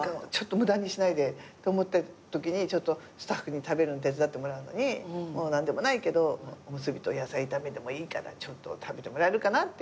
無駄にしないでと思ったときにスタッフに食べるの手伝ってもらうのに何でもないけどおむすびと野菜炒めでもいいからちょっと食べてもらえるかなっていう。